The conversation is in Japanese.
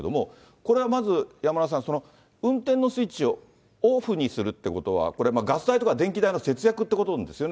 これはまず山村さん、運転のスイッチをオフにするということは、これ、ガス代とか電気代の節約ということですよね。